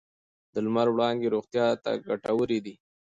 د لمر وړانګې روغتیا ته ګټورې دي.